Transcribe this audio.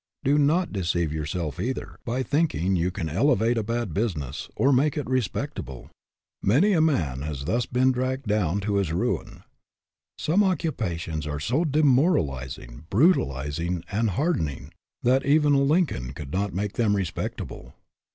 Do not deceive yourself, either, by thinking that you can elevate a bad business, or make it respectable. Many a man has been thus dragged down to his ruin. Some occupations are so demoralizing, brutalizing, and harden ing that even a Lincoln could not make them respectable.